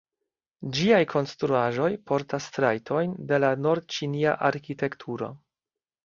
Ĝiaj konstruaĵoj portas trajtojn de la nord-ĉinia arkitekturo.